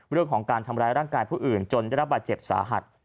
เรื่องของการทำร้ายร่างกายผู้อื่นจนได้รับบาดเจ็บสาหัส